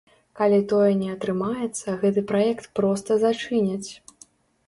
Калі тое не атрымаецца, гэты праект проста зачыняць.